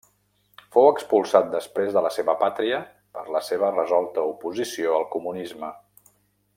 Fou expulsat després de la seva pàtria per la seva resolta oposició al comunisme.